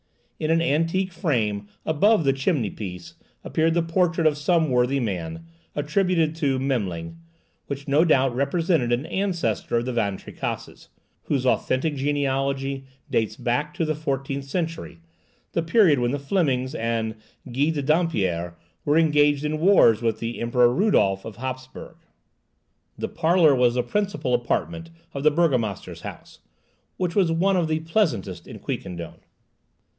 In an antique frame above the chimney piece appeared the portrait of some worthy man, attributed to Memling, which no doubt represented an ancestor of the Van Tricasses, whose authentic genealogy dates back to the fourteenth century, the period when the Flemings and Guy de Dampierre were engaged in wars with the Emperor Rudolph of Hapsburgh. This parlour was the principal apartment of the burgomaster's house, which was one of the pleasantest in Quiquendone.